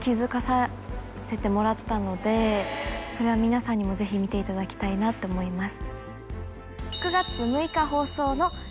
それは皆さんにもぜひ見ていただきたいなって思います。